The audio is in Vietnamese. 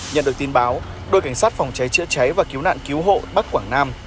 nhận được tin báo đội cảnh sát phòng cháy chữa cháy và cứu nạn cứu hộ bắc quảng nam